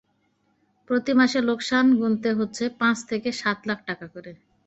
প্রতি মাসে লোকসান গুনতে হচ্ছে পাঁচ থেকে সাত লাখ টাকা করে।